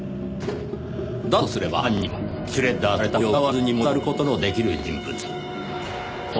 だとすれば犯人はシュレッダーされたごみを疑われずに持ち去る事の出来る人物。